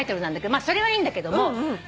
まあそれはいいんだけども。